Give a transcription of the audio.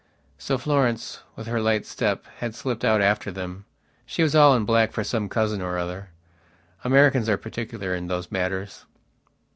So Florence, with her light step, had slipped out after them. She was all in black for some cousin or other. Americans are particular in those matters.